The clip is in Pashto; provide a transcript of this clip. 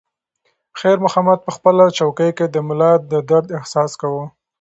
خیر محمد په خپله چوکۍ کې د ملا د درد احساس کاوه.